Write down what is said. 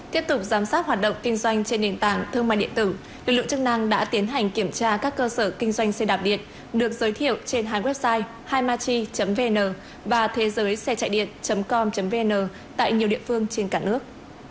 tiếp tục giám sát hoạt động kinh doanh trên nền tảng thương mại điện tử lực lượng chức năng đã tiến hành kiểm tra các cơ sở kinh doanh xe đạp điện được giới thiệu trên hai website himachi vn và thế giới xe chạy điện com vn tại nhiều địa phương trên cả nước